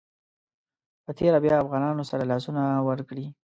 په تېره بیا افغانانو سره لاسونه ورکړي.